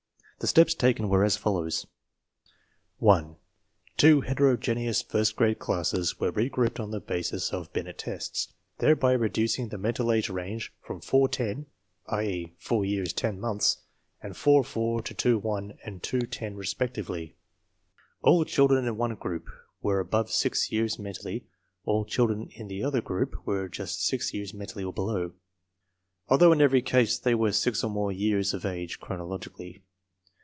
The steps taken were as follows: f$ 1. Two heterogeneous first grade classes were re grouped on the basis of Binet tests, thereby reducing the mental age range from 4 10 (i.e., 4 years, 10 months) and 4 4. to 2 1 and 2 10, respectively. All children in one group were above 6 years mentally, all children in the other group were just 6 years mentally or below, although in every case they were 6 or more years of age chronologically.